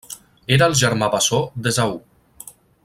Era el germà bessó d'Esaú.